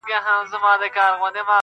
نړۍ ورته د هغوی